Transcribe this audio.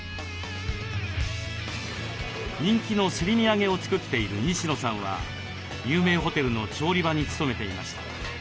人気のすり身揚げを作っている西野さんは有名ホテルの調理場に勤めていました。